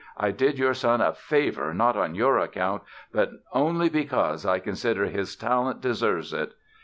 I did your son a favor not on your account but only because I consider his talent deserves it!"